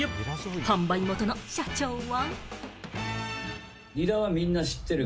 販売元の社長は。